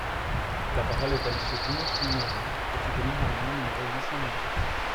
La parole est à Monsieur Dino Cinieri, pour soutenir l’amendement numéro huit cent vingt-quatre.